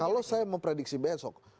kalau saya memprediksi besok